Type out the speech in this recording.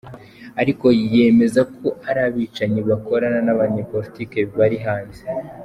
Ariko yemeza ko ari abicanyi bakorana n'abanyepolitike bari hanze.